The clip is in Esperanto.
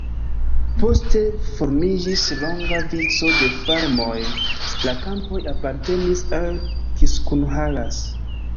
Poste formiĝis longa vico de farmoj, la kampoj apartenis al Kiskunhalas.